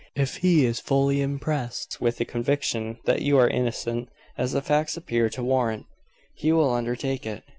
If he is fully impressed with the conviction that you are innocent, as the facts appear to warrant, he will undertake it.